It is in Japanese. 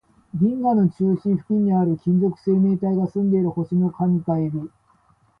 銀河の中心付近にある、金属生命体が住んでいる星の蟹か海老